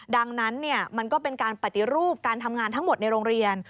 ดังนั้นมันก็เป็นการปฏิรูปการทำงานทั้งหมดในโรงเรียน